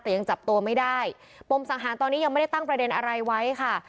แต่ยังจับตัวไม่ได้ปมสังหารตอนนี้ยังไม่ได้ตั้งประเด็นอะไรไว้ค่ะ